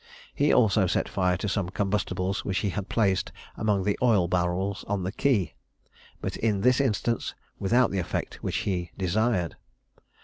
He also set fire to some combustibles which he had placed among the oil barrels on the quay; but in this instance without the effect which he desired.